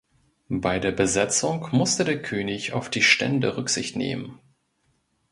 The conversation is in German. Bei der Besetzung musste der König auf die Stände Rücksicht nehmen.